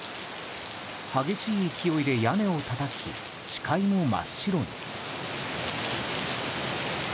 激しい勢いで屋根をたたき視界も真っ白に。